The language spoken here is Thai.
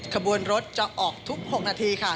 ขบวนรถจะออกทุก๖นาทีค่ะ